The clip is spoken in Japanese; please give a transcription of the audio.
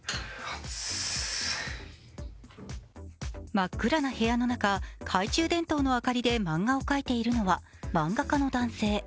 真っ暗な部屋の中、懐中電灯の明かりで漫画を描いているのは漫画家の男性。